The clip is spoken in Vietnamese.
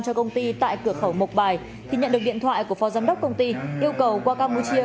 cho công ty tại cửa khẩu mộc bài thì nhận được điện thoại của phó giám đốc công ty yêu cầu qua campuchia